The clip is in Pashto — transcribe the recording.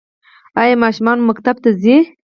ایا ماشومان مو مکتب ته ځي؟